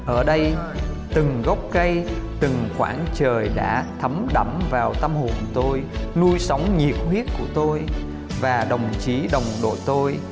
ở đây từng gốc cây từng khoảng trời đã thấm đẫm vào tâm hồn tôi nuôi sống nhiệt huyết của tôi và đồng chí đồng đội tôi